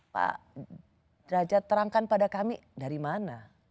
pak derajat terangkan pada kami dari mana